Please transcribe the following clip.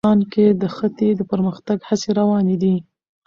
افغانستان کې د ښتې د پرمختګ هڅې روانې دي.